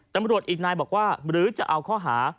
ตำรวจอีกนายบอกว่าหรือจะเอาข้อหา